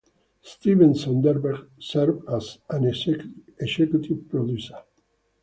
Steven Soderbergh serves as an executive producer.